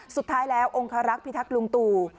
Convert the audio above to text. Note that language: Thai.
สุดท้ายแล้วองคารักษ์พิทักษ์ลุงตู่